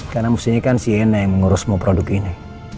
karena mestinya kan sienna yang mengurus semua produk ini